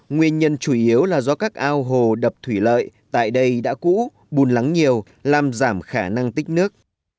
nguyên nhân chủ yếu là do các ao hồ đập thủy lợi tại đây đã cũ bùn lắng nhiều làm giảm khả năng tích nước